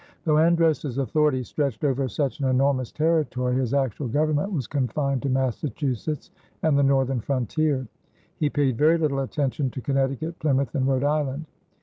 Though Andros's authority stretched over such an enormous territory, his actual government was confined to Massachusetts and the northern frontier. He paid very little attention to Connecticut, Plymouth, and Rhode Island.